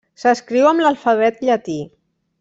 S'escriu amb l'alfabet llatí.